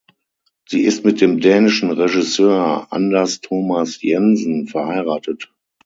Sie ist mit dem dänischen Regisseur Anders Thomas Jensen verheiratet.